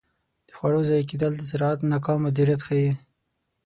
د خوړو ضایع کیدل د زراعت ناکام مدیریت ښيي.